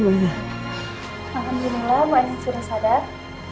alhamdulillah mak asyid sudah sadar